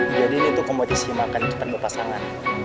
jadi ini tuh kompetisi makan cepat berpasangan